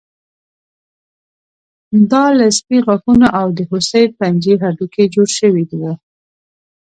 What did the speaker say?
دا له سپي غاښونو او د هوسۍ پنجې هډوکي جوړ شوي وو